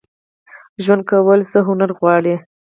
ژوند کول څه هنر غواړي؟